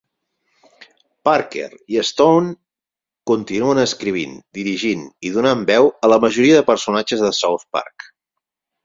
Parker i Stone continuen escrivint, dirigint i donant veu a la majoria de personatges de "South Park".